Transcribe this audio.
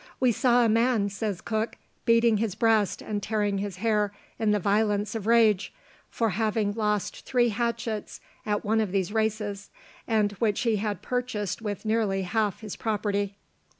"We saw a man," says Cook, "beating his breast and tearing his hair in the violence of rage, for having lost three hatchets at one of these races, and which he had purchased with nearly half his property."